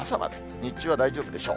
日中は大丈夫でしょう。